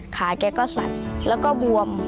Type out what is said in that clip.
แกก็สัดแล้วก็บวม